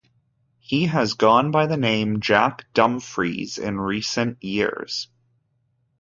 He has gone by the name Jack Dumfries in recent years.